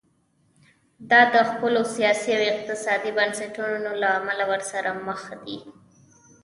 دا د خپلو سیاسي او اقتصادي بنسټونو له امله ورسره مخ دي.